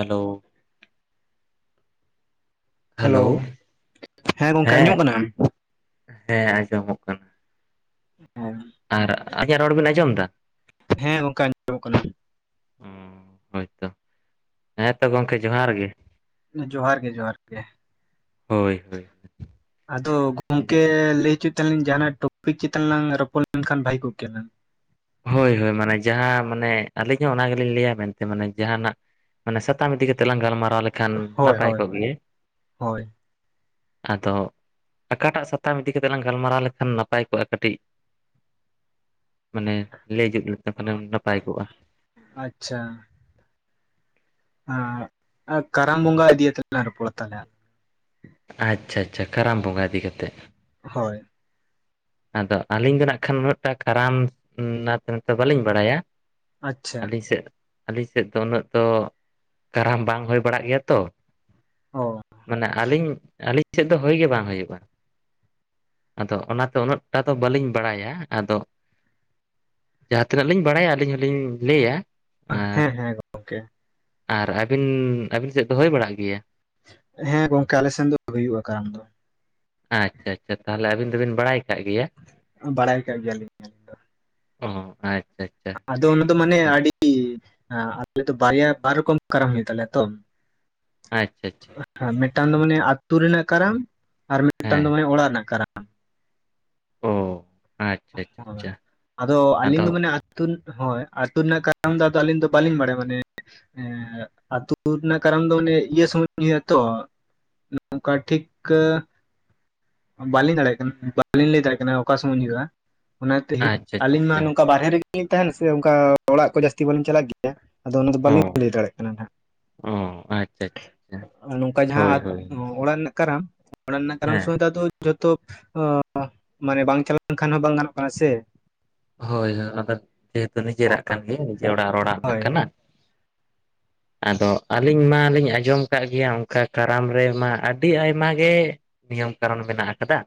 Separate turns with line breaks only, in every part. Hello.
Hello, ᱦᱮᱸ ᱜᱚᱝᱠᱮ, ᱟᱸᱡᱩᱜ ᱠᱟᱱᱟ?
ᱦᱮᱸ, ᱟᱸᱡᱚᱢᱚᱜ ᱠᱟᱱᱟ ᱾ ᱟᱨ, ᱟᱡᱟᱜ ᱨᱚᱲ ᱵᱮᱱ ᱟᱸᱡᱚᱢ ᱮᱫᱟ?
ᱦᱮᱸ ᱜᱚᱢᱠᱮ, ᱟᱸᱡᱚᱢᱚᱜ ᱠᱟᱱᱟ ᱾
ᱚ ᱦᱳᱭᱛᱚ, ᱦᱮᱸᱻᱛᱚ, ᱜᱚᱢᱠᱮ ᱡᱚᱦᱟᱨ ᱜᱮ ᱾
ᱡᱚᱦᱟᱨ ᱜᱮ, ᱡᱚᱦᱟᱨ ᱜᱮ ᱾
ᱦᱳᱭ ᱦᱳᱭ
ᱟᱫᱚ, ᱜᱚᱝᱠᱮ ᱞᱟᱹᱭ ᱦᱚᱪᱚ ᱢᱮᱱᱞᱟ [unintelligible] ᱧ ᱡᱟᱦᱟᱸᱱᱟᱜ, ᱴᱚᱯᱤᱠ ᱪᱮᱛᱟᱱ ᱞᱟᱝ ᱨᱚᱯᱚᱲ ᱞᱮᱱᱠᱷᱟᱱ ᱵᱷᱟᱜᱤ [unintelligible] ᱠᱚᱜ ᱠᱮᱭᱟᱞᱟᱝ ᱾
ᱦᱳᱭ, ᱦᱳᱭ ᱾ ᱢᱟᱱᱮ, ᱡᱟᱦᱟᱸ ᱢᱟᱱᱮ, ᱟᱹᱞᱤᱧ ᱦᱚᱸ ᱚᱱᱟ ᱜᱮᱞᱤᱧ ᱞᱟᱹᱭᱟ ᱢᱮᱱᱛᱮ, ᱢᱟᱱᱮ ᱡᱟᱦᱟᱱᱟᱜ ᱢᱟᱱᱮ, ᱥᱟᱛᱟᱢ ᱤᱫᱤ ᱠᱟᱛᱮ ᱞᱟᱝ, ᱜᱟᱞᱢᱟᱨᱟᱣ ᱞᱮᱠᱷᱟᱱ,
ᱦᱳᱭ
ᱱᱟᱯᱟᱭ
ᱦᱳᱭ
ᱠᱚᱜ ᱜᱮ ᱾
ᱦᱳᱭ
ᱟᱫᱚ, ᱚᱠᱟ ᱴᱟᱜ? ᱥᱟᱛᱟᱢ ᱤᱫᱤ ᱠᱟᱛᱮ ᱞᱟᱝ, ᱜᱟᱞᱢᱟᱨᱟᱣ ᱞᱮᱠᱷᱟᱱ ᱱᱟᱯᱟᱭ ᱠᱚᱜᱼᱟ, ᱠᱟᱹᱴᱤᱡ ᱾ ᱢᱟᱱᱮ, ᱞᱟᱹᱭ ᱧᱩᱜ ᱞᱮᱠᱷᱟᱱ ᱮᱢ ᱱᱟᱯᱟᱭ ᱠᱚᱜᱼᱟ ᱾
ᱟᱪᱪᱷᱟ ᱾ ᱟᱻ, ᱠᱟᱨᱟᱢ ᱵᱚᱸᱜᱟ ᱤᱫᱤ ᱭᱟᱛᱮ ᱞᱟᱝ ᱨᱚᱯᱚᱲᱟ, ᱛᱟᱦᱚᱞᱮ ᱾
ᱟᱪᱪᱷᱟ, ᱟᱪᱪᱷᱟ ᱠᱟᱨᱟᱢ ᱵᱚᱸᱜᱟ, ᱤᱫᱤ ᱠᱟᱛᱮᱫ!
ᱦᱳᱭ ᱾
ᱟᱫᱚ ᱟᱹᱞᱤᱧ ᱫᱚ ᱱᱟᱜ, ᱠᱷᱟᱱ ᱩᱱᱟᱹᱜ ᱛᱟᱠ ᱠᱟᱨᱟᱢ ᱮᱱᱟ ᱯᱮ, ᱵᱟᱸᱞᱤᱧ ᱵᱟᱲᱟᱭᱟ ᱾
ᱟᱪᱪᱷᱟ
ᱟᱹᱞᱤᱧ ᱥᱮᱫ ᱟ. ᱞᱤᱧ ᱥᱮᱫ ᱫᱚ ᱩᱱᱟᱹᱜ ᱫᱚ, ᱠᱟᱨᱟᱢ ᱵᱟᱝ ᱦᱩᱭ ᱵᱟᱲᱟᱜ ᱜᱮᱭᱟ ᱛᱚ ᱾
ᱚ
ᱢᱟᱱᱮ, ᱟᱹᱞᱤᱧ, ᱟᱹᱞᱤᱡ ᱥᱮᱫ ᱫᱚ ᱦᱩᱭ ᱜᱮ, ᱵᱟᱝ ᱦᱩᱭᱩᱜᱼᱟ ᱾ ᱟᱫᱚ ᱚᱱᱟᱛᱮ ᱩᱱᱟᱹᱜ ᱜᱚᱴᱟ ᱫᱚ, ᱵᱟᱹᱞᱤᱧ ᱵᱟᱲᱟᱭᱟ, ᱟᱫᱚ ᱡᱟᱦᱟᱸ ᱛᱤᱱᱟᱹᱜ ᱞᱤᱧ ᱵᱟᱰᱟᱭᱟ᱾ ᱟᱹᱞᱤᱧ ᱦᱚᱸ ᱞᱤᱧ ᱞᱟᱹᱭᱟ ᱾
ᱦᱮᱸ ᱦᱮᱸ ᱜᱚᱝᱠᱮ ᱾
ᱟᱨ ᱟᱹᱵᱤᱱ, ᱟᱹᱵᱤᱱ ᱥᱮᱫ ᱫᱚ ᱦᱩᱭ, ᱵᱟᱲᱟᱜ ᱜᱮᱭᱟ?
ᱦᱮᱸ ᱜᱚᱝᱠᱮ, ᱟᱞᱮ ᱥᱮᱱ ᱫᱚ ᱦᱩᱭᱩᱜᱼᱟ ᱾ ᱠᱟᱨᱟᱢ ᱫᱚ ᱾
ᱟᱪᱪᱷᱟ, ᱟᱪᱪᱷᱟ ᱛᱟᱦᱚᱞᱮ, ᱟᱵᱤᱱ ᱫᱚᱵᱤᱱ ᱵᱟᱲᱟᱭ ᱟᱠᱟᱜ ᱜᱮᱭᱟ ᱾
ᱵᱟᱲᱟᱭ ᱟᱠᱟᱜ, ᱸᱜᱮᱭᱟ ᱞᱤᱧ ᱟᱞᱤᱧ ᱾
ᱚᱼᱦᱚ, ᱟᱪᱪᱷᱟ, ᱟᱪᱪᱷᱟ ᱾
ᱟᱫᱚ, ᱚᱱᱟ ᱫᱚ, ᱢᱟᱱᱮ ᱟᱹᱰᱤ, ᱟᱞᱮ ᱫᱚ ᱵᱟᱨᱭᱟ, ᱵᱟᱨ ᱨᱚᱠᱚᱢ, ᱠᱟᱨᱟᱢ, ᱦᱩᱭᱩᱜ ᱛᱟᱞᱮᱭᱟ ᱛᱚ ᱾
ᱟᱪᱪᱷᱟ ᱟᱪᱪᱷᱟ ᱾
ᱦ, ᱢᱤᱫᱴᱟᱝ ᱫᱚ ᱢᱟᱱᱮ, ᱟ. ᱛᱩ ᱨᱮᱱᱟᱜ ᱠᱟᱨᱟᱢ ᱟᱨ ᱢᱤᱫᱴᱟᱝ
ᱦᱮᱸ
ᱫᱚ ᱢᱟᱱᱮ, ᱚᱲᱟᱜ ᱨᱮᱱᱟᱜ ᱠᱟᱨᱟᱢ ᱾
ᱚᱻ ᱾
ᱦ [unintelligible] ᱟᱫᱚ ᱟᱹᱞᱤᱧ ᱫᱚ ᱢᱟᱱᱮ ᱛᱩ, ᱦᱳᱭ ᱟᱹᱛᱩ ᱨᱮᱱᱟᱜ ᱠᱟᱨᱟᱢ ᱫᱚ, ᱟᱹᱞᱤᱧ ᱫᱚ ᱵᱟ. ᱞᱤᱧ ᱵᱟᱲᱟᱭᱟ ᱢᱟᱱᱮ--᱾ ᱦᱮᱸᱻ, ᱟᱹᱛᱩ ᱨᱮᱱᱟᱜ ᱠᱟᱨᱟᱢ ᱫᱚ, ᱚᱱᱮ ᱤᱭᱟᱹ ᱥᱚᱢᱚᱭ [unintelligible] ᱜᱼᱟ ᱛᱚ ᱾ ᱱᱚᱠᱟ, ᱴᱷᱤᱠ ᱠᱟ. ᱵᱟᱞᱤᱧ ᱫᱟᱲᱮᱭᱟᱜ ᱠᱟᱱᱟ ᱾ ᱵᱟᱞᱤᱧ ᱞᱟᱹᱭ ᱫᱟᱲᱮᱭᱟᱜ ᱠᱟᱱᱟ ᱾ ᱚᱠᱟ ᱥᱩᱚᱢᱚᱭ ᱦᱩᱭᱩᱜᱼᱟ ᱾ ᱚᱱᱟ ᱛᱮ,
ᱟᱪᱪᱷᱟ ᱟᱪᱪᱷᱟ
ᱟᱞᱤᱧ ᱢᱟ
ᱟᱪᱪᱷᱟ
ᱱᱚᱝᱠᱟ ᱵᱟᱨᱦᱮ ᱨᱮᱜᱮ ᱞᱤᱧ ᱛᱟᱦᱮᱱᱟ ᱥᱮ, ᱚᱱᱠᱟ ᱚᱲᱟᱜ ᱠᱚ, ᱡᱟᱹᱥᱛᱤ ᱵᱟᱞᱤᱧ ᱪᱟᱞᱟᱜ ᱜᱮᱭᱟ ᱾ ᱟᱫᱚ ᱚᱱᱟ ᱫᱚ,
ᱚ
ᱵᱟᱞᱤᱧ ᱞᱟᱹᱭ ᱫᱟᱲᱮᱭᱟᱜ ᱠᱟᱱᱟ ᱦᱟᱸᱜ ᱾
ᱚ ᱟᱪᱪᱷᱟ ᱟᱪᱪᱷᱟ
ᱛᱮᱜᱼ,
ᱟᱪᱪᱷᱟ
ᱱᱚᱝᱠᱟ
ᱦᱳᱭ
ᱡᱟᱦᱟ,
ᱦᱳᱭ
ᱸ ᱚᱲᱟᱜ ᱨᱮᱱᱟᱜ ᱠᱟᱨᱟᱢ, ᱚᱲᱟᱜ ᱨᱮᱱᱟᱜ ᱠᱟᱨᱟᱢ
ᱦᱮᱸ
ᱥᱚᱢᱚᱭ ᱫᱚ, ᱟᱫᱚ ᱡᱚᱛᱚ ᱚᱻ, ᱢᱟᱱᱮ, ᱵᱟᱝ ᱪᱟᱞᱟᱣ ᱠᱷᱟᱱ ᱦᱚᱸ ᱵᱟᱝ ᱜᱟᱱᱚᱜ ᱠᱟᱱᱟ ᱥᱮ,
ᱦᱳᱭ ᱦᱳᱭ ᱟᱫᱚ ᱡᱮᱦᱮᱛᱩ ᱱᱤᱡᱮᱨᱟᱜ ᱠᱟᱱ ᱜᱮᱭᱟ ᱱᱤᱡᱮᱨ ᱚᱲᱟᱜ ᱨᱚᱲᱟᱜ ᱨᱮᱱᱟᱜ
ᱦᱳᱭ
ᱠᱟᱱᱟ᱾ ᱟᱫᱚ ᱟᱹᱞᱤᱧ ᱢᱟᱞᱤᱧ ᱟᱸᱡᱚᱢ ᱠᱟᱜ ᱜᱮᱭᱟ ᱚᱱᱠᱟ ᱠᱟᱨᱟᱢ ᱨᱮᱢᱟ ᱟᱹᱰᱤ ᱟᱭᱢᱟ ᱜᱮ ᱱᱤᱭᱚᱢ ᱠᱟᱨᱚᱱ ᱢᱮᱱᱟᱜ ᱟᱠᱟᱫᱟ᱾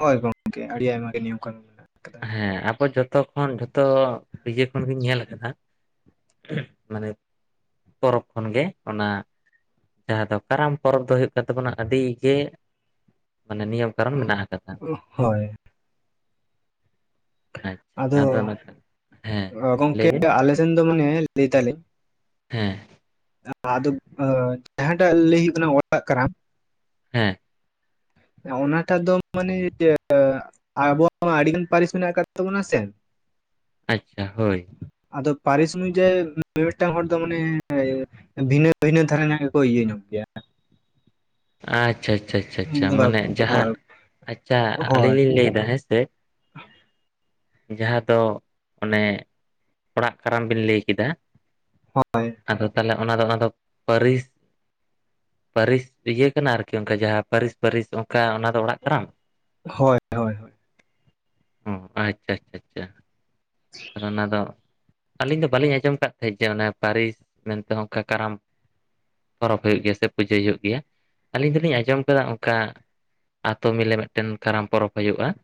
ᱦᱳᱭ ᱜᱚᱝᱠᱮ ᱟᱹᱰᱤ ᱟᱭᱢᱟᱟᱜ ᱱᱤᱭ ᱠᱚ ᱢᱮᱱᱟᱜ ᱟᱠᱟᱫᱟ᱾
ᱦᱮᱸ ᱟᱵᱚ ᱡᱚᱛᱚ ᱠᱷᱚᱱ ᱡᱚᱛᱚ ᱤᱡᱤᱭᱟᱹ ᱠᱷᱚᱱ ᱜᱤᱧ ᱧᱮᱞ ᱟᱠᱟᱫᱟ᱾ ᱢᱟᱱᱮ ᱯᱚᱨᱚᱵᱽ ᱠᱷᱚᱱᱜᱮ ᱚᱱᱟ ᱡᱟᱦᱟᱸ ᱫᱚ ᱠᱟᱨᱟᱢ ᱯᱚᱨᱚᱵᱽ ᱫᱚ ᱦᱩᱭᱩᱜ ᱠᱟᱱ ᱛᱟᱵᱚᱱᱟ ᱟᱹᱰᱤ ᱜᱮ ᱢᱟᱱᱮ ᱱᱤᱭᱚᱢ ᱠᱟᱨᱚᱱ ᱢᱮᱱᱟᱜ ᱟᱠᱟᱫᱟ᱾
ᱦᱚᱭ
ᱟᱪᱪᱷᱟ
ᱟᱫᱚ
ᱱᱟᱜᱠᱷᱟᱱ ᱦᱮᱸ ᱞᱟᱹᱭ
ᱜᱚᱢᱠᱮ
ᱵᱤᱱ
ᱟᱞᱮ ᱥᱮᱱ ᱫᱚ ᱢᱟᱱᱮ ᱞᱟᱹᱭ ᱫᱟᱞᱤᱧ,
ᱦᱮᱸ
ᱟᱫᱚ ᱡᱟᱦᱟᱸᱴᱟᱜ ᱞᱟᱹᱭ ᱦᱩᱭᱩᱜ ᱠᱟᱱᱟ ᱚᱲᱟᱜ ᱠᱟᱨᱟᱢ
ᱦᱮᱸ
ᱚᱱᱟᱴᱟᱜ ᱫᱚ ᱢᱟᱱᱮ ᱟᱵᱚᱣᱟᱜ ᱢᱟ ᱟᱹᱰᱤ ᱜᱟᱱ ᱯᱟᱹᱨᱤᱥ ᱢᱮᱱᱟᱜ ᱠᱟᱫ ᱛᱢᱚᱱ ᱥᱮ,
ᱟᱪᱪᱷᱟ ᱦᱳᱭ
ᱟᱫᱚ ᱯᱟᱹᱨᱤᱥ ᱚᱱᱩᱡᱟᱭᱤ ᱢᱤᱫ ᱢᱤᱫᱴᱟᱝ ᱦᱚᱲ ᱫᱚ ᱢᱟᱱᱮ ᱵᱷᱤᱱᱟᱹ ᱵᱷᱤᱱᱟᱹ ᱫᱷᱟᱨᱮ ᱜᱮᱠᱚ ᱤᱭᱟᱹ ᱧᱚᱜ ᱜᱮᱭᱟ
ᱟᱪᱪᱷᱟ ᱟᱪᱪᱷᱟ ᱟᱪᱪᱷᱟ ᱟᱪᱪᱷᱟ,
ᱵᱚᱸᱜᱟ
ᱢᱟᱱᱮ ᱡᱟᱦᱟ
ᱦᱳᱭ
ᱟᱪᱪᱷᱟ
ᱦᱳᱭ
ᱟᱹᱞᱤᱧ ᱞᱤᱧ ᱞᱟᱹᱭᱫᱟ ᱦᱮᱸᱥᱮ, ᱡᱟᱦᱟᱸ ᱫᱚ ᱚᱱᱮ ᱚᱲᱟᱜ ᱠᱟᱨᱟᱢ ᱵᱤᱱ ᱞᱟᱹᱭ ᱠᱮᱫᱟ,
ᱦᱳᱭ
ᱟᱫᱚ ᱛᱟᱦᱚᱞᱮ ᱚᱱᱟ ᱫᱚ ᱚᱱᱟ ᱫᱚ ᱯᱟᱹᱨᱤᱥ ᱯᱟᱹᱨᱤᱥ ᱤᱭᱟᱹ ᱠᱟᱱᱟ ᱟᱨᱠᱤ ᱚᱱᱠᱟ ᱡᱟᱦᱟᱸ ᱯᱟᱹᱨᱤᱥ ᱯᱟᱹᱨᱤᱥ ᱚᱱᱠᱟ ᱚᱱᱟ ᱫᱚ ᱚᱲᱟᱜ ᱠᱟᱱᱟ᱾
ᱦᱳᱭ ᱦᱳᱭ ᱦᱳᱭ
ᱚ ᱟᱪᱪᱷᱟ ᱟᱪᱪᱷᱟ ᱟᱪᱷᱟ ᱚᱱᱟ ᱫᱚ ᱟᱹᱞᱤᱧ ᱫᱚ ᱵᱟᱟᱹᱞᱤᱧ ᱟᱸᱡᱚᱢ ᱟᱠᱟᱫ ᱛᱟᱦᱮᱸᱫ ᱡᱮ ᱚᱱᱮ ᱯᱟᱹᱨᱤᱥ ᱢᱮᱱᱛᱮ ᱚᱱᱠᱟ ᱠᱟᱨᱟᱢ ᱯᱚᱨᱚᱵᱽ ᱦᱩᱭᱩᱜ ᱜᱮᱭᱟ ᱥᱮ ᱯᱩᱡᱟᱹᱭ ᱦᱩᱭᱩᱜ ᱜᱮᱭᱟ ᱟᱹᱞᱤᱧ ᱫᱚᱞᱤᱧ ᱟᱸᱡᱚᱢ ᱟᱠᱟᱫᱟ ᱚᱱᱠᱟ ᱟᱛᱳ ᱢᱤᱞᱮᱣ ᱢᱤᱫᱴᱮᱱ ᱠᱟᱨᱟᱢ ᱯᱚᱨᱚᱵᱽ ᱦᱩᱭᱩᱜᱼᱟ ᱾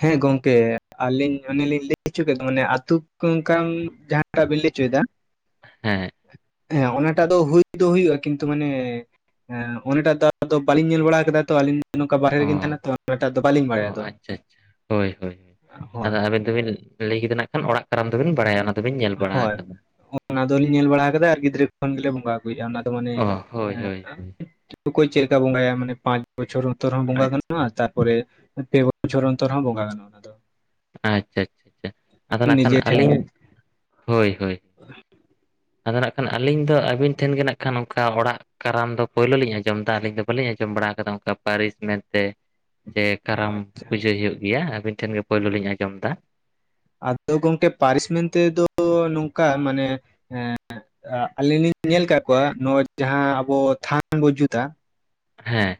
ᱦᱮᱸ ᱜᱚᱝ ᱠᱮ ᱟᱹᱞᱤᱧ ᱚᱱᱮᱞᱤᱧ ᱞᱟᱹᱭ ᱦᱚᱪᱚ ᱠᱮᱫᱟ ᱢᱟᱱᱮ ᱟᱛᱳ ᱚᱱᱠ ᱡᱟᱦᱟᱸᱴᱟᱜ ᱵᱤᱱ ᱞᱟᱹᱭ ᱦᱚᱪᱚᱭᱮᱫᱟ,
ᱦᱮᱸ
ᱦᱮᱸ ᱚᱱᱟᱴᱟᱜ ᱫᱚ ᱦᱩᱭ ᱫᱚ ᱦᱩᱭᱩᱜᱼᱟ ᱠᱤᱱᱛᱩ ᱢᱟᱱᱮ ᱦᱮᱸ ᱚᱱᱴᱟᱜ ᱫᱚ ᱟᱫᱚ ᱵᱟᱟᱹᱞᱤᱧ ᱧᱮᱞ ᱵᱟᱲᱟ ᱠᱟᱫᱟ ᱛᱚ ᱟᱹᱞᱤᱧ ᱱᱚᱝᱠᱟ ᱵᱟᱨᱦᱨᱮ
ᱚ
ᱨᱮᱜᱤᱱ ᱛᱟᱦᱮᱱᱟ ᱛᱚ ᱚᱱᱟᱴᱟᱜ ᱫᱚ ᱵᱟᱹᱞᱤᱧ
ᱚ
ᱵᱟᱲᱟᱭᱟ ᱫᱚ,
ᱟᱪᱪᱷᱟ
ᱦᱳᱭ
ᱵᱤᱱ ᱞᱟᱹᱭ ᱠᱮᱫᱟ ᱱᱟᱜ ᱠᱷᱟᱱ ᱚᱲᱟᱜ ᱠᱟᱨᱟᱢ ᱫᱚᱵᱤᱱ ᱵᱟᱲᱟᱭᱟ ᱚᱱᱟ ᱫᱚᱵᱤᱱ ᱧᱮᱞ ᱵᱟᱲᱟ
ᱦᱳᱭ
ᱟᱠᱟᱫᱟ᱾
ᱚᱱᱟ ᱫᱚᱚᱞᱧ ᱧᱮᱞ ᱵᱟᱲᱟ ᱠᱟᱫᱟ ᱟᱨ ᱜᱤᱫᱽᱨᱟᱹ ᱠᱷᱚᱱ ᱜᱮᱞᱮ ᱵᱚᱸᱜᱟ ᱟᱹᱜᱩᱭᱮᱫᱟ, ᱚᱱᱟ ᱫᱚ ᱢᱟᱱᱮ
ᱚ ᱦᱳᱭ ᱦᱳᱭ ᱦᱳᱭ
ᱚᱠᱚᱭ ᱪᱮᱫ ᱞᱮᱠᱟ ᱵᱚᱸᱜᱟᱭ ᱢᱟᱱᱮ ᱯᱟᱸᱪ ᱵᱚᱪᱷᱚᱨ ᱩᱛᱚᱨ ᱦᱚᱸ ᱵᱚᱸᱜᱟ
ᱟᱪᱪᱷᱟ
[inaudible] ᱾ ᱛᱟᱨᱯᱚᱨᱮ ᱯᱮ ᱵᱚᱪᱷᱚᱨ ᱚᱱᱛᱚᱨ ᱦᱚᱸ ᱵᱚᱸᱜᱟ ᱜᱟᱱᱚᱜᱼᱟ ᱚᱱᱟ ᱫᱚ᱾
ᱟᱪᱪᱷᱟ ᱟᱪᱪᱷᱟ ᱪᱷᱟ ᱟᱫᱚ ᱱᱟᱜ ᱠᱷᱟᱱ
ᱱᱤᱡᱮ ᱴᱷᱮᱱ
ᱟᱹᱞᱤᱧ
ᱜᱮ
ᱦᱳᱭ ᱦᱳᱭ ᱟᱫᱚ ᱱᱟᱜ ᱠᱷᱟᱱ ᱟᱹᱞᱤᱧ ᱫᱚ ᱟᱹᱵᱤᱱ ᱴᱷᱮᱱ ᱜᱮ ᱱᱟᱜ ᱠᱷᱟᱱ ᱚᱱᱠᱟ ᱚᱲᱟᱜ ᱠᱟᱨᱟᱢ ᱫᱚ ᱯᱳᱭᱞᱳ ᱞᱤᱧ ᱟᱸᱡᱚᱢ ᱮᱫᱟ ᱟᱹᱞᱤᱧ ᱫᱚ ᱵᱟᱹᱞᱤᱧ ᱟᱸᱡᱚᱢ ᱵᱟᱲᱟ ᱠᱟᱫᱟ ᱚᱱᱠᱟ ᱯᱟᱹᱨᱤᱥ ᱢᱮᱱᱛᱮ ᱡᱮ ᱠᱟᱨᱟᱢ
ᱟᱪᱪᱷᱟ
ᱯᱩᱡᱟᱹ ᱦᱩᱭᱩᱜ ᱜᱮᱭᱟ ᱟᱹᱵᱤᱱ ᱴᱷᱮᱱᱜ ᱯᱳᱭᱞᱳ ᱞᱤᱧ ᱟᱸᱡᱚᱢ ᱮᱫᱟ᱾
ᱟᱫᱚ ᱜᱚᱝᱠᱮ ᱯᱟᱹᱨᱤᱥ ᱢᱮᱱ ᱛᱮᱫᱚ ᱱᱚᱝᱠᱟ ᱢᱟᱱᱮ ᱮᱸ ᱟᱹᱞᱤᱧ ᱞᱤᱧ ᱧᱮᱞ ᱟᱠᱟᱫ ᱠᱚᱣᱟ ᱱᱚᱣᱟ ᱡᱟᱦᱟᱸ ᱟᱵᱚ ᱛᱷᱟᱱ ᱵᱚ ᱡᱩᱛᱟ,
ᱦᱮᱸ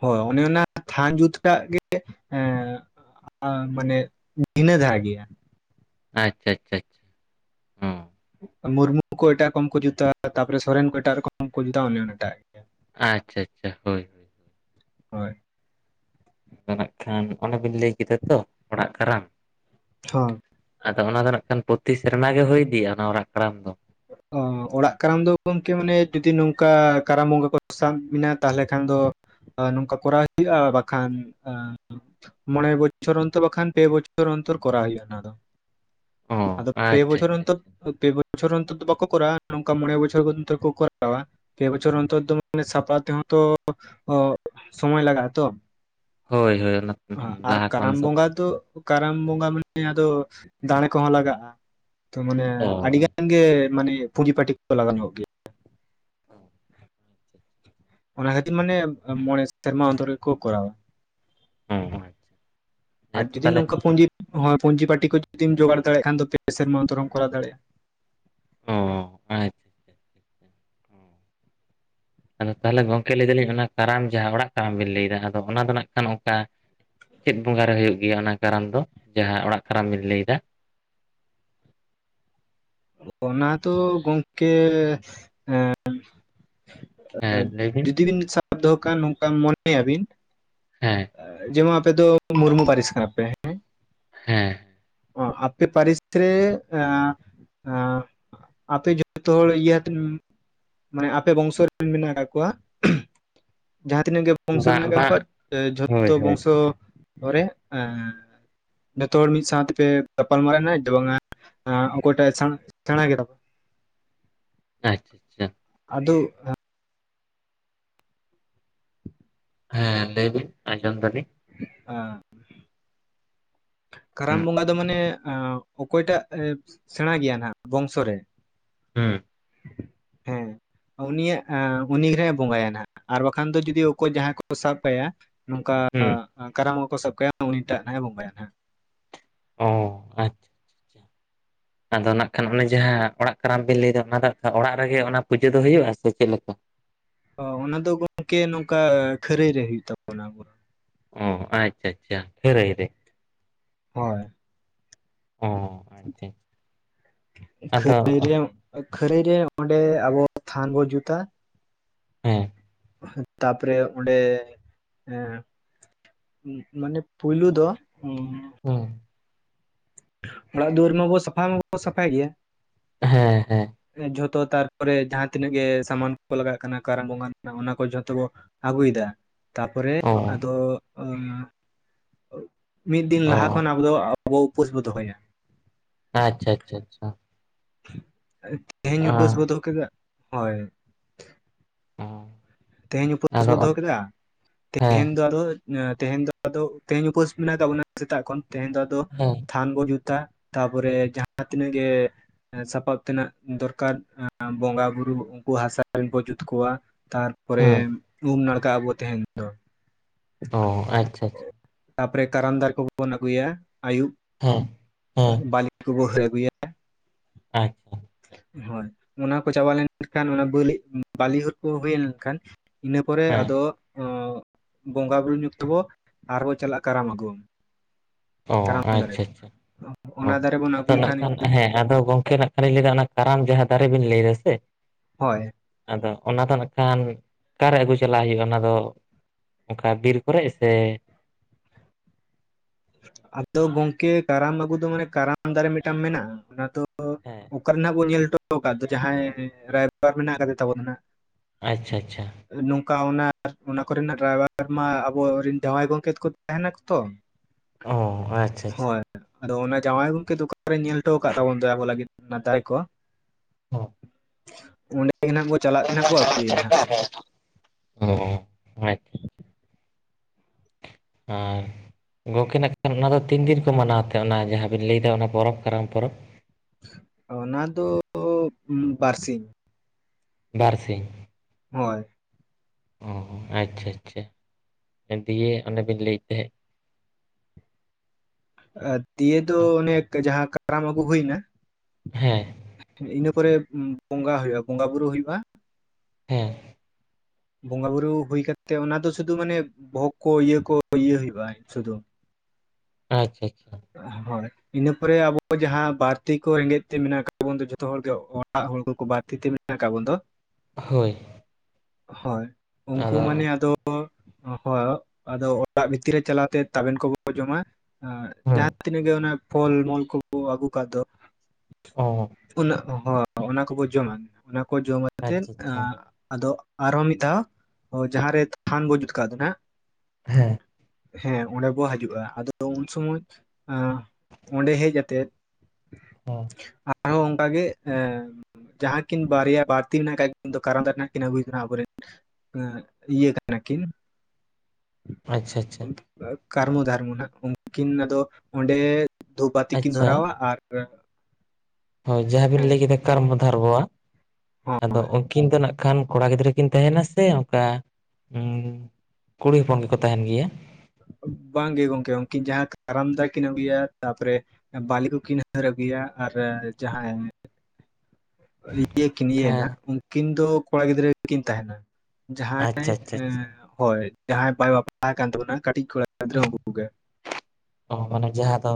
ᱦᱳᱭ ᱚᱱᱮ ᱚᱱᱟ ᱛᱷᱟᱱ ᱡᱩᱛᱴᱟᱜ ᱜᱮ ᱮ ᱢᱟᱱᱮ ᱵᱷᱤᱱᱟᱹ ᱫᱷᱟᱨ ᱜᱮᱭᱟ
ᱟᱪᱪᱷᱟ ᱪᱷᱟ ᱪᱷᱟ
ᱢᱩᱨᱢᱩ ᱠᱚ ᱮᱴᱟᱜ ᱨᱚᱠᱚᱢ ᱠᱚ ᱡᱩᱛᱟ ᱛᱟᱯᱚᱨᱮ ᱥᱚᱨᱮᱱ ᱠᱚ ᱮᱴᱟᱜ ᱨᱚᱠᱚᱢ ᱠᱚ ᱡᱩᱛᱟ ᱚᱱᱮ ᱚᱱᱟᱴᱟᱜ ᱾
ᱟᱪᱪᱷᱟ ᱟᱪᱪᱷᱟ ᱦᱳᱭ᱾ ᱦᱳᱭ
ᱦᱳᱭ᱾
ᱱᱟᱜ ᱠᱷᱟᱱ ᱚᱱᱟᱵᱤᱱ ᱞᱟᱹᱭ ᱠᱮᱫᱟ ᱛᱚ ᱚᱲᱟᱜ ᱠᱟᱨᱟᱢ᱾
ᱦᱚᱸ
ᱟᱫᱚ ᱚᱱᱟ ᱫᱚ ᱱᱟᱜ ᱠᱷᱟᱱ ᱯᱚᱛᱤ ᱥᱮᱨᱢᱟ ᱜᱮ ᱦᱩᱭ ᱤᱫᱤᱜ-ᱟ ᱚᱱᱟ ᱚᱨᱟᱜ ᱠᱟᱨᱟᱢ ᱫᱚ᱾
ᱚᱻ ᱚᱲᱟᱜ ᱠᱟᱨᱟᱢ ᱫᱚ ᱜᱚᱢᱠᱮ ᱢᱟᱱᱮ ᱡᱩᱫᱤ ᱱᱚᱝᱠᱟ ᱠᱟᱨᱟᱢ ᱵᱚᱸᱜᱟ ᱠᱚ ᱥᱟᱵ ᱮᱱᱟ ᱛᱟᱦᱞᱮ ᱠᱷᱟᱱ ᱫᱚᱼᱼ ᱱᱚᱝᱠᱟ ᱠᱚᱨᱟᱣ ᱦᱤᱭᱩᱜ-ᱟ ᱵᱟᱠᱷᱟᱱᱼᱼ ᱢᱚᱬᱮ ᱵᱚᱪᱷᱚᱨ ᱚᱱᱛᱚᱨ ᱵᱟᱠᱷᱟᱱ ᱯᱮ ᱵᱚᱪᱷᱚᱨ ᱚᱱᱛᱚᱨ ᱠᱚᱨᱟᱣ ᱦᱤᱭᱩᱜ-ᱟ ᱱᱚᱣᱟ ᱫᱚ᱾
ᱚ
ᱟᱫᱚ ᱯᱮ
ᱟᱪᱪᱷᱟ
ᱵᱚᱪᱷᱚᱨ
ᱟᱪᱪᱷᱟ
ᱚᱱᱛᱚᱨ
ᱟᱪᱪᱷᱟ.
ᱯᱮ ᱵᱚᱪᱷᱚᱨ ᱚᱱᱛᱚᱨ ᱫᱚ ᱵᱟᱠᱚᱼᱼ ᱠᱚ ᱠᱚᱨᱟᱣᱟ ᱱᱚᱝᱠᱟ ᱢᱚᱬᱮ ᱵᱚᱪᱷᱚᱨ ᱱᱛᱚᱨ ᱠᱚ ᱠᱚᱨᱟᱣᱟ᱾ ᱯᱮ ᱵᱚᱪᱷᱚᱨ ᱚᱱᱛᱚᱨ ᱫᱚ ᱢᱟᱱᱮ ᱥᱟᱯᱲᱟᱣ ᱛᱮᱦᱚᱸ ᱛᱚ ᱚ ᱥᱚᱢᱚᱭ ᱞᱟᱜᱟᱜ-ᱟ ᱛᱚ᱾
ᱦᱳᱭ ᱦᱳᱭ ᱚᱱᱟᱼᱼ
ᱦᱟᱸ ᱟᱨ ᱠᱟᱨᱟᱢ ᱵᱚᱸᱜᱟ ᱫᱚᱼᱼ ᱠᱟᱨᱟᱢ ᱵᱚᱸᱜᱟ ᱢᱟᱱᱮ ᱟᱫᱚ ᱫᱟᱬᱮ ᱠᱚᱦᱚᱸ ᱞᱟᱜᱟᱜ-ᱟ ᱛᱚ ᱢᱟᱱᱮ
ᱚ ᱚ
ᱟᱹᱰᱤᱜᱟᱱᱼᱼ ᱜᱮ ᱢᱟᱱᱮ ᱯᱷᱩᱞ ᱯᱟᱴᱤ ᱠᱚ ᱞᱟᱜᱟᱱ ᱧᱚᱜ ᱜᱮᱭᱟ᱾
[inaudible]
ᱚᱱᱟ ᱠᱷᱟᱹᱛᱤᱨ ᱢᱟᱱᱮ ᱢᱚᱸᱬᱮ ᱥᱮᱨᱢᱟ ᱚᱱᱛᱚᱨ ᱜᱮᱠᱚ ᱠᱚᱨᱟᱣᱟ᱾
ᱟᱪᱪᱷᱟ
ᱟᱨ
ᱦᱮᱸᱛᱚ
ᱡᱩᱫᱤ
ᱛᱟᱦᱚᱞᱮ
ᱱᱚᱝᱠᱟ ᱯᱩᱸᱡᱤᱼᱼ ᱦᱳᱭ ᱯᱩᱧᱡᱤ ᱯᱟᱹᱴᱤ ᱠᱚ ᱡᱩᱫᱤᱢ ᱡᱚᱜᱟᱲ ᱫᱟᱲᱮᱭᱟᱜ ᱠᱷᱟᱱ ᱫᱚ ᱯᱮ ᱥᱮᱨᱢᱟ ᱚᱱᱛᱚᱨᱮᱢ ᱠᱚᱨᱟᱣ ᱫᱟᱲᱮᱭᱟᱜ-ᱟ᱾
ᱚᱻ ᱟᱡ ᱟᱫᱚ ᱛᱟᱦᱚᱞᱮ ᱜᱚᱢᱠᱮ ᱞᱟᱹᱭ ᱫᱟᱞᱤᱧ ᱚᱱᱟ ᱠᱟᱨᱟᱢ ᱡᱟᱦᱟᱸ ᱚᱲᱟᱜ ᱠᱟᱨᱟᱢ ᱵᱤᱱ ᱞᱟᱹᱭᱫᱟ ᱟᱫᱚ ᱚᱱᱟ ᱫᱚ ᱱᱟᱜ ᱠᱟᱱ ᱚᱠᱟᱼᱼ ᱪᱮᱫ ᱵᱚᱸᱜᱟ ᱨᱮ ᱦᱩᱭᱩᱜ ᱜᱮᱭᱟ ᱚᱱᱟ ᱠᱟᱨᱟᱢ ᱫᱚ, ᱡᱟᱦᱟᱸ ᱚᱲᱟᱜ ᱠᱟᱨᱟᱢ ᱵᱤᱱ ᱞᱟᱹᱭ ᱮᱫᱟ᱾
ᱚᱱᱟ ᱫᱚ ᱜᱚᱝᱠᱮ
ᱦᱮᱸ
ᱮᱸᱼᱼ
ᱞᱟᱹᱭ
ᱡᱩᱫᱤ ᱵᱤᱱ ᱥᱟᱵ ᱫᱚᱦᱚ ᱠᱟᱱ ᱱᱚᱝᱠᱟ ᱢᱚᱱᱮᱭᱟᱵᱤᱱᱼᱼ
ᱦᱮᱸᱼᱼ
ᱡᱮᱢᱚᱱ ᱟᱯᱮ ᱫᱚ ᱢᱩᱨᱢᱩ ᱯᱟᱹᱨᱤᱥ ᱠᱟᱱᱟ ᱯᱮ ᱦᱮᱸᱼᱼ
ᱦᱮᱸᱼᱼ
ᱚ ᱟᱯᱮ ᱯᱟᱹᱨᱤᱥ ᱨᱮ, ᱮᱸ ᱟᱸᱼᱼ ᱟᱯᱮ ᱡᱷᱚᱛᱚ ᱦᱚᱲ ᱤᱭᱟᱹ [inaudible] ᱢᱟᱱᱮ ᱟᱯᱮ ᱵᱚᱝᱥᱚ ᱨᱮᱱ ᱢᱮᱱᱟᱜ ᱠᱟᱜ ᱠᱚᱣᱟ ᱡᱟᱦᱟᱸ ᱛᱤᱱᱟᱹᱜ ᱜᱮᱼᱼ ᱵᱚᱝᱥᱚ
ᱵᱟᱝ
ᱢᱮᱱᱟᱜ ᱠᱟᱜ
ᱵᱟᱝ
ᱠᱷᱚᱡ ᱮᱻ
ᱦᱳᱭ
ᱡᱷᱚᱛᱚ
ᱦᱳᱭ
ᱵᱚᱝᱥᱚᱼᱼ ᱯᱚᱨᱮ ᱮᱸᱻ ᱡᱷᱚᱛᱚ ᱦᱚᱲ ᱢᱤᱫ ᱥᱟᱸᱣᱛᱮᱼᱼ ᱯᱮ ᱜᱟᱯᱟᱞ ᱢᱟᱨᱟᱭᱮᱱᱟ ᱡᱮ ᱵᱟᱝ ᱢᱟ ᱚᱠᱚᱭᱴᱟᱜ ᱮ ᱥᱮᱸᱬᱟ ᱥᱮᱸᱬᱟ ᱜᱮ ᱛᱟᱯᱮᱼᱼ
ᱟᱪᱪᱷᱟ ᱟᱪᱪᱷᱟ᱾
ᱟᱫᱳ ᱮᱸᱼᱼ
ᱦᱮᱸ ᱞᱟᱹᱭᱵᱤᱱ ᱟᱸᱡᱚᱢ ᱫᱟᱞᱤᱧ
ᱟᱸᱼᱼ
ᱦᱩᱸ
ᱠᱟᱨᱟᱢ ᱵᱚᱸᱜᱟ ᱫᱚ ᱢᱟᱱᱮ ᱮᱸ ᱚᱠᱚᱭᱴᱟᱜ ᱥᱮᱸᱬᱟ ᱜᱮᱭᱟ? ᱱᱷᱟᱜ ᱵᱚᱝᱥᱚ ᱨᱮᱼᱼ
ᱦᱩᱸ
ᱩᱸ ᱩᱱᱤᱭᱟᱜ ᱟᱸ ᱩᱱᱤ ᱜᱮᱦᱟᱸᱜᱮ ᱮ ᱵᱚᱸᱜᱟᱭᱟ ᱱᱷᱟᱜ᱾ ᱟᱨ ᱵᱟᱠᱷᱟᱱ ᱫᱚ ᱡᱩᱫᱤ ᱚᱠᱚᱭ ᱡᱟᱸᱦᱟᱭ ᱠᱚ ᱥᱟᱵ ᱠᱟᱭᱟᱼᱼ ᱱᱚᱝᱠᱟᱻ
ᱦᱩᱸ
ᱠᱟᱨᱟᱢᱚᱜ ᱠᱚ ᱥᱟᱵ ᱠᱟᱭᱟ ᱩᱱᱤ ᱴᱟᱜ ᱱᱷᱟᱜ ᱮ ᱵᱚᱸᱜᱟᱭᱟ ᱱᱷᱟᱜ᱾
ᱚᱸᱻ ᱟᱪᱪᱷᱼᱼ ᱟᱫᱚ ᱱᱟᱜ ᱠᱷᱟᱱ ᱚᱱᱮ ᱡᱟᱦᱟᱸ ᱚᱲᱟᱜ ᱠᱟᱨᱟᱢ ᱵᱤᱱ ᱞᱟᱹᱭᱫᱟ ᱚᱱᱟ ᱫᱚ ᱚᱲᱟᱜ ᱨᱮᱜᱮ ᱚᱱᱟ ᱯᱩᱡᱟᱹ ᱫᱚ ᱦᱩᱭᱩᱜ-ᱟ ᱥᱮ ᱪᱮᱫ ᱞᱮᱠᱟ?
ᱚᱻ ᱚᱱᱟ ᱫᱚ ᱜᱚᱝᱠᱮ ᱱᱚᱝᱠᱟ ᱠᱷᱟᱹᱨᱟᱹᱭ ᱨᱮ ᱦᱩᱭᱩᱜ ᱛᱟᱵᱚᱱᱟ ᱟᱵᱚᱣᱟᱜ᱾
ᱚᱸ ᱟᱪᱪᱷᱟ ᱟᱪᱪᱷᱟ ᱠᱷᱟᱹᱨᱟᱹᱭ ᱨᱮ᱾
ᱦᱚᱭ
ᱚᱸ ᱟᱪᱪᱷᱟ ᱟᱪᱪᱷᱟ
ᱠᱷᱟᱹᱨᱟᱹᱭ ᱨᱮ ᱠᱷᱟᱹᱨᱟᱹᱭ ᱨᱮ ᱚᱸᱰᱮ ᱟᱵᱚ ᱛᱷᱟᱱ ᱵᱚᱱ ᱡᱩᱛᱟ᱾
ᱦᱮᱸ
ᱛᱟᱨᱯᱚᱨᱮ ᱚᱸᱰᱮ ᱮ ᱢᱟᱱᱮ ᱯᱩᱭᱞᱩ ᱫᱚ,
ᱦᱩ
ᱚᱲᱟᱜ ᱫᱩᱣᱟᱹᱨ ᱢᱟᱵᱚ ᱥᱟᱯᱷᱟ ᱢᱟᱵᱚ ᱥᱟᱯᱷᱟᱭ ᱜᱮᱭᱟ᱾
ᱦᱮᱸ ᱦᱮᱸ
ᱡᱷᱚᱛᱚ ᱛᱟᱨᱯᱚᱨᱮ ᱡᱟᱸᱦᱟ ᱛᱤᱱᱟᱹᱜ ᱜᱮ ᱥᱟᱢᱟᱱ ᱠᱚ ᱞᱟᱜᱟᱜ ᱠᱟᱱᱟ ᱠᱟᱨᱟᱢ ᱵᱚᱸᱜᱟ ᱨᱮᱱᱟᱜ ᱚᱱᱟ ᱠᱚ ᱡᱷᱚᱛᱚ ᱠᱚ, ᱟᱹᱜᱩᱭᱫᱟ, ᱛᱟᱯᱚᱨᱮ
ᱚ
ᱟᱫᱚ ᱢᱤᱫ ᱫᱤᱱ
ᱚ
ᱞᱟᱦᱟ ᱠᱷᱚᱱ ᱟᱵᱚ ᱫᱚ, ᱟᱵᱚ ᱩᱯᱟᱹᱥ ᱵᱚ ᱫᱚᱦᱚᱭᱟ᱾
ᱟᱪᱪᱷᱟ ᱟᱪᱪᱷᱟ ᱟᱪᱪᱷᱟ,
ᱛᱮᱦᱮᱧ ᱩᱯᱟᱹᱥ
ᱟᱸ
ᱵᱚ ᱫᱚᱦᱚ ᱠᱟᱫᱟ, ᱦᱳᱭ
ᱚᱸ
ᱛᱮᱦᱮᱧ ᱩᱯᱟᱹᱥ
ᱟᱫᱚ
ᱵᱚ ᱫᱚᱦᱚ ᱠᱮᱫᱟ
ᱦᱮᱸ
ᱛᱮᱦᱮᱧ ᱫᱚ ᱟᱫᱚ, ᱛᱮᱦᱮᱧ ᱫᱚ ᱟᱫᱚ ᱛᱮᱦᱮᱧ ᱩᱯᱟᱹᱥ ᱢᱮᱱᱟᱭ ᱛᱟᱵᱚᱱᱟ ᱥᱮᱛᱟᱜ ᱠᱷᱚᱱ ᱛᱮᱦᱮᱧ ᱫᱚ ᱟᱫᱚ,
ᱦᱮᱸ
ᱛᱷᱟᱱ ᱵᱚ ᱡᱩᱛᱟ ᱛᱟᱯᱚᱨᱮ ᱡᱟᱸᱦᱟ ᱛᱤᱱᱟᱹᱜ ᱜᱮ, ᱥᱟᱯᱟᱵ ᱛᱮᱱᱟᱜ ᱫᱚᱨᱠᱟᱨ ᱵᱚᱸᱜᱟ ᱵᱩᱨᱩ ᱩᱱᱠᱩ ᱦᱟᱥᱟ ᱨᱤᱱ ᱵᱚᱱ ᱡᱩᱛ ᱠᱚᱣᱟ᱾ ᱛᱟᱨᱯᱚᱨᱮ
ᱦᱮᱸ
ᱩᱢ ᱱᱟᱲᱠᱟ ᱟᱵᱚ ᱛᱮᱦᱮᱧ ᱫᱚ,
ᱦᱚ ᱟᱪᱪᱷᱟ ᱟᱪᱪᱷᱟ᱾
ᱛᱟᱯᱚᱨᱮ ᱠᱟᱨᱟᱢ ᱫᱟᱨᱮ ᱠᱚᱵᱚᱱ [inaudible] ᱟᱹᱜᱩᱭᱟ ᱟᱹᱭᱩᱵ᱾
ᱦᱮᱸ᱾ ᱦᱮᱸ
ᱵᱟᱞᱤᱤᱠ ᱠᱚ ᱵ ᱦ [inaudible] ᱟᱹᱜᱩᱭᱟ᱾
ᱟᱪ
ᱦᱳᱭ ᱚᱱᱟ ᱠᱚ ᱪᱟᱵᱟ ᱞᱮᱱᱠᱷᱟᱱ ᱚᱱᱟ ᱵᱟᱹᱞᱤ ᱵᱟᱞᱤ ᱦᱟᱨ ᱠᱚ ᱦᱩᱭ ᱞᱮᱱᱠᱷᱟᱱ ᱤᱱᱟᱹ ᱯᱚᱨᱮ
ᱦᱮᱸ
ᱟᱫᱚ ᱵᱚᱸᱜᱟ ᱵᱩᱨᱩᱱᱧᱩᱜ ᱛᱚᱵᱚ ᱟᱨᱵᱚ ᱪᱟᱞᱟᱜ ᱠᱟᱨᱟᱢ ᱟᱹᱜᱩ᱾
ᱚ
ᱠᱟᱨᱟᱢ ᱫᱟᱨᱮ
ᱟᱪᱪᱷᱟ ᱟᱪᱪᱷᱟ᱾ ᱚ
ᱚᱱᱟ ᱫᱟᱨᱮ ᱵᱚᱱ ᱟᱹᱜᱩ
ᱟᱫᱚ
ᱞᱮᱠᱷᱟᱱ
ᱱᱟᱜᱠᱷᱟᱱ ᱦᱮᱸ ᱟᱫᱚ ᱜᱚᱝᱠᱮ ᱱᱟᱜ ᱠᱷᱟᱱᱤᱧ ᱞᱟᱹᱭ ᱫᱟ ᱚᱱᱟ ᱠᱟᱨᱟᱢ ᱡᱟᱦᱟᱸ ᱫᱟᱨᱮ ᱵᱤᱱ ᱞᱟᱹᱭ ᱫᱟ ᱥᱮ
ᱦᱳᱭ᱾
ᱟᱫᱚ ᱚᱱᱟ ᱫᱚ ᱱᱟᱜ ᱠᱷᱟᱱ ᱟᱠᱟᱨᱮ ᱟᱹᱜᱩ ᱪᱟᱞᱟᱣ ᱦᱩᱭᱩᱜ-ᱟ ᱚᱱᱟ ᱫᱚ᱾ ᱚᱠᱟ ᱵᱤᱨ ᱠᱚᱨᱮ ᱥᱮ
ᱟᱫᱚ ᱜᱚᱝᱠᱮ ᱠᱟᱨᱟᱢ ᱟᱹᱜᱩ ᱫᱚ ᱢᱟᱱᱮ, ᱠᱟᱨᱟᱢ ᱫᱟᱨᱮ ᱢᱤᱫᱴᱟᱝ ᱢᱮᱱᱟᱜ-ᱟ ᱚᱱᱟ ᱫᱚ
ᱦᱮᱸ
ᱚᱠᱟ ᱨᱮᱱᱟᱜ ᱵᱚᱱ ᱧᱮᱞ ᱴᱚ [inaudible] ᱠᱟᱫ ᱫᱚ ᱡᱟᱦᱟᱸᱭ ᱨᱟᱭᱵᱟᱨ ᱢᱮᱱᱟᱜ ᱟᱠᱟᱫᱮ ᱛᱟᱵᱚᱱᱟ
ᱟᱪᱪᱷᱟ ᱟᱪᱪᱷᱟ᱾
ᱱᱚᱝᱠᱟ ᱚᱱᱟ-ᱚᱱᱟ ᱠᱚᱨᱮᱱᱟᱜ ᱰᱨᱟᱭᱵᱟᱨ ᱢᱟ ᱟᱵᱚᱨᱮᱱ ᱡᱟᱶᱟᱭ ᱜᱚᱝᱠᱮᱛ ᱠᱚ ᱛᱟᱦᱮᱱᱟ ᱠᱚ ᱛᱚ
ᱚ ᱟᱪ
ᱦᱳᱭ, ᱟᱫᱚ ᱚᱱᱟ ᱡᱟᱶᱟᱭ ᱜᱚᱝᱠᱮ ᱫᱚ ᱚᱠᱟ ᱨᱮ ᱧᱮᱞ ᱴᱚ ᱟᱠᱟᱫ ᱛᱟᱵᱚᱱ ᱫᱚᱭ ᱟᱵᱚ ᱞᱟᱹᱜᱤᱫ, ᱱᱟ ᱫᱟᱨᱮ ᱠᱚ᱾
ᱦᱚᱸ᱾
ᱚᱸᱰᱮ ᱦᱱᱟᱜ [unintelligible] ᱵᱚ ᱪᱟᱞᱟᱜ ᱛᱮ ᱱᱟᱜ ᱵᱚ ᱟᱹᱜᱩᱭᱟ ᱱᱟᱦᱟᱜ᱾
ᱚᱸᱻ᱾ ᱚ᱾ ᱜᱚᱝᱠᱮ ᱱᱟᱜ ᱠᱷᱟᱱ ᱚᱱᱟ ᱫᱚ ᱛᱤᱱ ᱫᱤᱱ ᱠᱚ ᱢᱟᱱᱟᱣ ᱛᱮ, ᱚᱱᱟ ᱡᱟᱦᱟᱸ ᱵᱤᱱ ᱞᱟᱹᱭᱫᱟ ᱚᱱᱟ ᱯᱚᱨᱚᱵᱽ ᱠᱟᱨᱟᱢ ᱯᱚᱨᱚᱵᱽ?
ᱚᱱᱟ ᱫᱚᱻ ᱵᱟᱨᱥᱤᱧ᱾
ᱵᱟᱨᱥᱤᱧ᱾
ᱦᱳᱭ᱾
ᱚ ᱟᱪᱪᱷᱟ ᱟᱪᱪᱷᱟ᱾ ᱫᱤᱭᱮ ᱚᱱᱮ ᱵᱤᱱ ᱞᱟᱹᱭᱮᱫ ᱛᱟᱦᱮᱸᱫ
ᱟᱨ ᱫᱤᱭᱮ ᱫᱚ ᱚᱱᱮ ᱡᱟᱦᱟᱸ ᱠᱟᱨᱟᱢ ᱟᱹᱜᱩ ᱦᱩᱭ ᱱᱟ
ᱦᱮᱸ᱾
ᱤᱱᱟᱹ ᱯᱚᱨᱮ ᱵᱚᱸᱜᱟ ᱦᱩᱭᱩᱜᱼᱟ, ᱵᱚᱸᱜᱟ ᱵᱩᱨᱩ ᱦᱩᱭᱩᱜᱼᱟ
ᱦᱮᱸ᱾
ᱵᱚᱸᱜᱟ ᱵᱩᱨᱩ ᱦᱩᱭ ᱠᱟᱛᱮᱜ ᱚᱱᱟ ᱫᱚ ᱥᱩᱫᱩ ᱢᱟᱱᱮ ᱵᱚᱷᱚᱜᱽ ᱠᱚ ᱤᱭᱟᱹ ᱠᱚ ᱤᱭᱟᱹ ᱦᱩᱭᱩᱜᱼᱟ ᱥᱩᱫᱩ᱾
ᱟᱪᱪᱷᱟ ᱟᱪᱪᱷᱟ᱾
ᱦᱳᱭ᱾ ᱤᱱᱟᱹ ᱯᱚᱨᱮ ᱟᱵᱚ ᱫᱚ ᱡᱟᱦᱟᱸ ᱵᱟᱹᱲᱛᱤ ᱠᱚ ᱨᱮᱸᱜᱮᱡ ᱛᱮ ᱢᱮᱱᱟᱜ ᱟᱠᱟᱫ ᱵᱚᱱ ᱫᱚ ᱡᱚᱛᱚ ᱦᱚᱲ ᱜᱮ ᱚᱲᱟᱜ ᱦᱚᱲ ᱠᱚ ᱠᱚ ᱵᱟᱹᱲᱛᱤ ᱛᱮ ᱢᱮ ᱦᱮᱸᱠᱟ ᱵᱚᱱ ᱫᱚ᱾
ᱦᱳᱭ᱾
ᱦᱳᱭ, ᱩᱱᱠᱩ ᱢᱟᱱᱮ ᱟᱫᱚ ᱦᱳᱭ, ᱟᱫᱚ ᱚᱲᱟᱜ ᱵᱷᱤᱛᱤᱨ ᱨᱮ ᱪᱟᱞᱟᱣ ᱠᱟᱛᱮᱫ ᱛᱟᱵᱮᱱ ᱠᱚᱵᱚᱱ ᱡᱚᱢᱟ᱾ ᱟᱨ
ᱦᱮᱸ
ᱡᱟᱦᱟᱸ ᱛᱤᱱᱟᱹᱜ ᱜᱮ ᱚᱱᱟ ᱯᱷᱚᱞ ᱢᱚᱞ ᱠᱚ ᱠᱚ ᱟᱹᱜᱩ ᱠᱟᱫ ᱫᱚ
ᱚ
ᱚᱱᱟ ᱦᱚᱸ ᱚᱱᱟ ᱠᱚᱵᱚ ᱡᱚᱢᱟ, ᱚᱱᱟ ᱠᱚ ᱡᱚᱢᱛᱮᱫ
ᱟᱪᱪᱷᱟ ᱟᱪᱪᱷᱟ ᱦᱮᱸ
ᱟᱨ ᱟᱫᱚ ᱟᱨᱦᱚᱸ ᱢᱤᱫ ᱫᱷᱟᱣ, ᱡᱟᱦᱟᱸᱱᱨᱮ ᱛᱷᱟᱱ ᱵᱚ ᱡᱩᱛ ᱠᱟᱫ ᱫᱚ ᱱᱟᱦᱟᱜ
ᱦᱮᱸ᱾
ᱦᱮᱸ ᱚᱸᱰᱮ ᱵᱚ ᱦᱟᱹᱡᱩᱜᱼᱟ, ᱟᱫᱚ ᱩᱱ ᱥᱚᱢᱚᱭ ᱟᱸ ᱚᱸᱰᱮ ᱦᱮᱡ ᱟᱛᱮᱫ
ᱦᱚᱸ᱾
ᱟᱨᱦᱚᱸ ᱚᱱᱠᱟᱜᱮ ᱮᱸᱻ ᱡᱟᱦᱟᱸ ᱠᱤᱱ ᱵᱟᱨᱭᱟ ᱵᱟᱹᱲᱛᱤ ᱦᱮᱱᱟᱜ ᱠᱟᱜ ᱠᱤᱱ ᱫᱚ ᱠᱟᱨᱟᱢ ᱫᱟᱨᱮ ᱱᱟᱷᱟᱜ ᱠᱤᱱ ᱟᱹᱜᱩᱭ ᱫᱚ ᱱᱟᱦᱟᱜ ᱟᱵᱚ ᱨᱮᱱ ᱮᱸ ᱤᱭᱟᱹ ᱠᱟᱱᱟ ᱠᱤᱱ
ᱟᱪᱷᱟ-ᱟᱪᱷᱟ᱾
ᱠᱟᱨᱢᱚ ᱫᱷᱟᱨᱢᱚ ᱱᱟᱦᱟᱜ ᱩᱱᱠᱤᱱ ᱟᱫᱚ ᱚᱸᱰᱮ ᱫᱷᱩᱯᱟᱹᱛᱤ ᱠᱤᱱ
ᱟᱪᱪᱷᱟ
ᱫᱷᱚᱨᱟᱣᱟ ᱟᱨ
ᱦᱳᱭ ᱡᱟᱦᱟᱸ ᱵᱤᱱ
ᱦᱮᱸ
ᱞᱟᱹᱭ ᱠᱮᱫᱟ ᱠᱟᱨᱢᱚ ᱫᱷᱟᱨ ᱵᱚᱣᱟᱜ
ᱦᱚᱸ
ᱟᱫᱚ ᱩᱱᱠᱤᱱ ᱫᱚᱱᱟ ᱠᱷᱟᱱ ᱠᱚᱲᱟ ᱜᱤᱫᱽᱨᱟᱹ ᱠᱤᱱ ᱛᱟᱦᱮᱱᱟ ᱥᱮ ᱚᱱᱠᱟ, ᱦᱩᱸ ᱠᱩᱲᱤ ᱦᱚᱯᱚᱱ ᱜᱮᱠᱚ ᱛᱟᱦᱮᱱ ᱜᱮᱭᱟ?
ᱵᱟᱝᱜᱮ ᱜᱚᱝᱠᱮ ᱩᱱᱠᱤᱱ ᱡᱟᱦᱟᱸ ᱠᱟᱨᱟᱢᱫᱟ ᱠᱤᱱ ᱟᱹᱜᱩᱭᱟ ᱛᱟᱨᱯᱚᱨᱮ ᱵᱟᱞᱤ ᱠᱚ ᱠᱤᱱ ᱦᱟᱹᱨ ᱟᱹᱜᱩᱭᱟ ᱟᱨ ᱡᱟᱦᱟᱸᱭ ᱤᱭᱟᱹ ᱠᱤᱱ ᱤᱭᱟᱹᱭ
ᱦᱮᱸ
ᱱᱟᱦ ᱩᱱᱠᱤᱱ ᱫᱚ ᱠᱚᱲᱟ ᱜᱤᱫᱽᱨᱟᱹ ᱠᱤᱱ ᱛᱟᱦᱮᱱᱟ᱾ ᱡᱟᱦᱟᱸᱭ,
ᱟᱪᱪᱷᱟ ᱟᱪᱪᱷᱟ ᱟᱪᱪᱷᱟ
ᱦᱳᱭ ᱡᱟᱦᱟᱸᱭ ᱵᱟᱭ ᱵᱟᱯᱞᱟ ᱟᱠᱟᱱ ᱛᱟᱵᱚᱱᱟ ᱠᱟᱹᱴᱤᱡ ᱠᱚᱲᱟ ᱜᱤᱫᱽᱨᱟᱹ ᱩᱱᱠᱩ ᱠᱚᱜᱮ᱾
ᱚ ᱢᱟᱱᱮ ᱡᱟᱦᱟᱸ ᱫᱚ,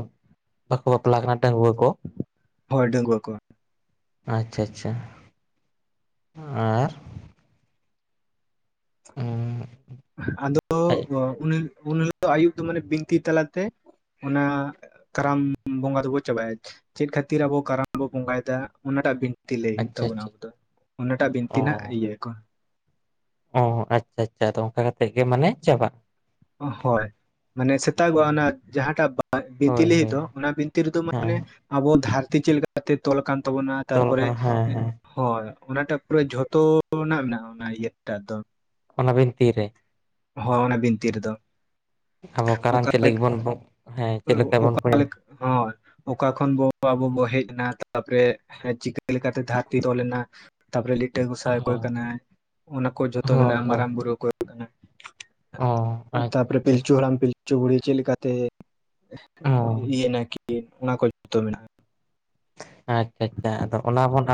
ᱵᱟᱠᱚ ᱵᱟᱯᱞᱟ ᱠᱟᱱᱟ ᱰᱟᱺᱜᱩᱣᱟᱹ ᱠᱚ᱾
ᱦᱳᱭ ᱰᱟᱺᱜᱩᱣᱟᱹ ᱠᱚᱣᱟᱜ᱾
ᱟᱪᱷᱟ-ᱟᱪᱷᱟ ᱟᱨ᱾ ᱩᱸ᱾
ᱟᱫᱚ ᱩᱱ ᱩᱱᱦᱤᱞᱳᱜ ᱟᱹᱭᱩᱵ ᱫᱚ ᱢᱟᱱᱮ ᱵᱤᱱᱛᱤ ᱛᱟᱞᱟᱛᱮ ᱚᱱᱟ ᱠᱟᱨᱟᱢ ᱵᱚᱸᱜᱟ ᱫᱚᱵᱚ ᱪᱟᱵᱟᱭᱟ᱾ ᱪᱮᱫ ᱠᱷᱟᱹᱛᱤᱨ ᱟᱵᱚ ᱠᱟᱨᱟᱢ ᱵᱚ ᱵᱚᱸᱜᱟᱭᱮᱫᱟ ᱚᱱᱟᱴᱟᱜ ᱵᱤᱱ ᱛᱤ ᱞᱟᱹᱭ ᱦᱩᱭᱩᱜ
ᱟᱪᱪᱷᱟ
ᱛᱟᱵᱚᱱᱟ
ᱟᱪᱪᱷᱟ
ᱚᱱᱟᱴᱟᱜ
ᱚ
ᱵᱤᱱᱛᱤ ᱱᱟᱜ ᱤᱭᱟᱹ ᱠᱚ᱾
ᱚ ᱟᱪᱷᱟ-ᱟᱪᱷᱟ ᱟᱫᱚ ᱚᱱᱠᱟ ᱠᱟᱛᱮᱜ ᱜᱮ ᱢᱟᱱᱮ ᱪᱟᱵᱟᱜᱼᱟ᱾
ᱦᱳᱭ᱾ ᱢᱟᱱᱮ ᱥᱮᱛᱟᱜᱚᱜᱼᱟ ᱚᱱᱟ ᱡᱟᱦᱟᱸᱴᱟᱜ ᱵᱤᱱᱛᱤ
ᱦᱳᱭ
ᱞᱟᱹᱜᱤᱫ
ᱦᱳᱭ
ᱫᱚ ᱚᱱᱟ ᱵᱤᱱᱛᱤ ᱨᱮᱫᱚ ᱢᱟᱱᱮ
ᱦᱮᱸ
ᱟᱵᱚ ᱫᱷᱟᱹᱨᱛᱤ ᱪᱮᱫ ᱞᱮᱠᱟᱛᱮ ᱛᱚᱞ ᱟᱠᱟᱱ ᱛᱟᱵᱚᱱᱟ
ᱛᱚᱞ
ᱛᱟᱨᱯᱚᱨᱮ
ᱠᱟᱱᱟ ᱦᱮᱸ ᱦᱮᱸ
ᱦᱳᱭ ᱚᱱᱟᱴᱟᱜ ᱯᱩᱨᱟᱹ ᱡᱷᱚᱛᱚᱱᱟᱜ ᱢᱮᱱᱟᱜᱼᱟ ᱚᱱᱟ ᱤᱭᱟᱹ ᱴᱟᱜ ᱫᱚ᱾
ᱚᱱᱟ ᱵᱤᱱᱛᱤᱨ ᱨᱮ᱾
ᱦᱳᱭ ᱚᱱᱟ ᱵᱤᱱᱛᱤ ᱨᱮᱫᱚ᱾
ᱟᱵᱚ ᱠᱟᱨᱟᱢ
ᱚᱠᱟ
ᱪᱮᱫ ᱞᱟᱹᱜᱤᱫ
ᱞᱮᱠᱟ
ᱵᱚᱱ ᱦᱮᱸ ᱪᱮ ᱞᱮᱠᱟ ᱵᱚᱱ
ᱚᱠᱟ ᱞᱮᱠᱟ ᱦᱳᱭ᱾ ᱚᱠᱟ ᱠᱷᱚᱱ ᱵᱚ ᱟᱵᱚ ᱵᱚ ᱦᱮᱡ ᱮᱱᱟ ᱛᱟᱨᱯᱚᱨᱮ ᱪᱤᱠᱟᱹ ᱞᱮᱠᱟᱛᱮ ᱫᱷᱟᱹᱨᱛᱤ ᱛᱚᱞᱮᱱᱟ ᱛᱟᱯᱚᱨᱮ ᱞᱤᱴᱟᱹ ᱜᱚᱸᱥᱟᱭ ᱚᱠᱚᱭ ᱠᱟᱱᱟᱭ, ᱚᱱᱟ ᱠᱚ ᱡᱷᱚᱛᱚ
ᱦᱳᱭ
ᱢᱮᱱᱟᱜᱼᱟ
ᱦᱳᱭ
ᱢᱟᱨᱟᱝ ᱵᱩᱨᱩ ᱚᱠᱚᱭ ᱠᱟᱱᱟ
ᱚ᱾ ᱟᱪᱪᱷᱟ
ᱛᱟᱯᱚᱨᱮ
ᱟᱪᱪᱷᱟ
ᱯᱤᱞᱪᱩ ᱦᱟᱲᱟᱢ ᱯᱤᱞᱪᱩ ᱵᱩᱲᱦᱤ ᱪᱮᱫ ᱞᱮᱠᱟᱛᱮ
ᱚ
ᱤᱭᱟᱹ ᱱᱟᱠᱤ ᱚᱱᱟ ᱠᱚ ᱡᱚᱛᱚ ᱢᱮᱱᱟᱜᱼᱟ᱾
ᱟᱪᱷᱟ-ᱟᱪᱷᱟ ᱟᱫᱚ ᱚᱱᱟ ᱵᱚᱱ